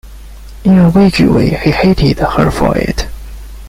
In a vague way he hated her for it.